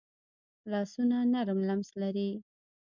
لاسونه نرم لمس لري